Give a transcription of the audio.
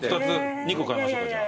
２個買いましょうかじゃあ。